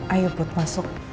ayu put masuk